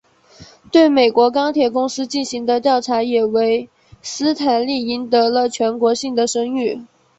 对美国钢铁公司进行的调查也为斯坦利赢得了全国性的声誉。